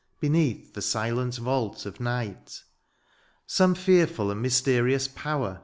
Beneath the silent vault of night. Some fearful and mysterious power.